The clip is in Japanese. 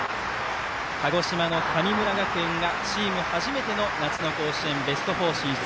鹿児島の神村学園がチーム初めての夏の甲子園ベスト４進出。